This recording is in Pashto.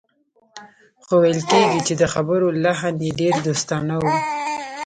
خو ویل کېږي چې د خبرو لحن یې ډېر دوستانه و